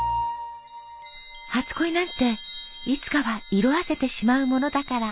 「初恋なんていつかは色あせてしまうものだから」。